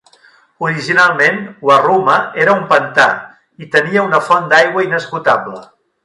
Originalment, Warruma era un pantà i tenia una font d'aigua inesgotable.